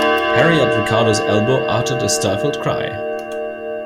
Harry at Ricardo's elbow uttered a stifled cry.